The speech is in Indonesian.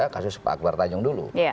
kasus pak akbar tanjung dulu